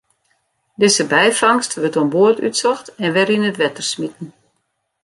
Dizze byfangst wurdt oan board útsocht en wer yn it wetter smiten.